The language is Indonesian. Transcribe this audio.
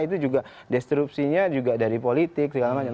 itu juga disrupsinya juga dari politik segala macam